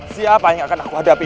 siapa yang akan aku hadapi